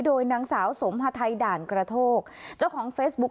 โดยนางสาวสมฮาไทยด่านกระโทกเจ้าของเฟซบุ๊ค